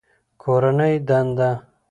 کورنۍ دنده